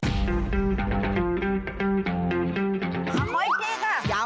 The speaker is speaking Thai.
กร้อยจิกอะ